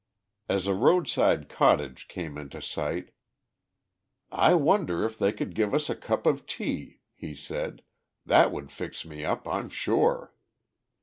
As a roadside cottage came in sight, "I wonder if they could give us a cup of tea," he said; "that would fix me up, I'm sure."